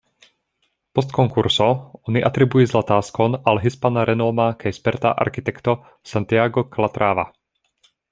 Post konkurso, oni atribuis la taskon al hispana renoma kaj sperta arkitekto Santiago Calatrava.